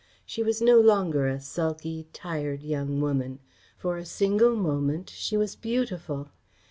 She was no longer a sulky, tired, young woman. For a single moment she was beautiful.